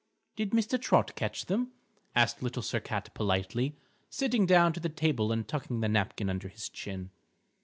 "Did Mr. Trot catch them?" asked Little Sir Cat politely, sitting down to the table and tucking the napkin under his chin.